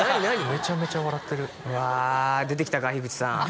めちゃめちゃ笑ってるうわ出てきたか樋口さん